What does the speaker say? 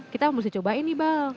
kita harus dicobain nih bang